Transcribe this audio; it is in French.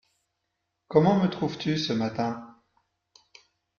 Comment me trouves-tu, ce matin ?